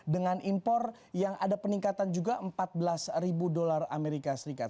dengan impor yang ada peningkatan juga empat belas ribu dolar amerika serikat